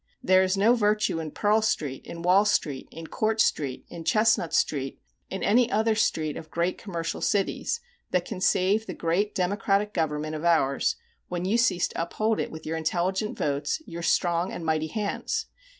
There is no virtue in Pearl street, in Wall street, in Court street, in Chestnut street, in any other street of great commercial cities, that can save the great democratic government of ours, when you cease to uphold it with your intelligent votes, your strong and mighty hands.